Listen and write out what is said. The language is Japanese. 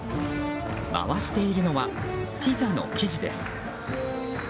回しているのはピザの生地です。